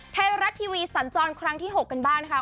ไทยรัฐทีวีสันจรครั้งที่๖กันบ้างนะคะ